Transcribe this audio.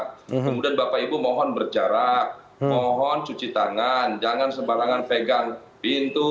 kemudian bapak ibu mohon berjarak mohon cuci tangan jangan sembarangan pegang pintu